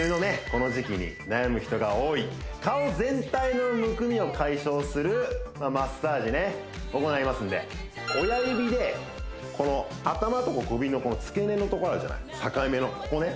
この時期に悩む人が多い顔全体のむくみを解消するマッサージね行いますんで親指でこの頭と首の付け根のところあるじゃない境目のここね